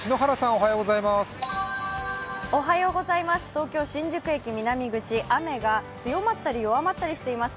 東京・新宿駅南口、雨が強まったり弱まったりしています。